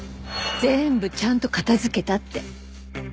「全部ちゃんと片づけた」って。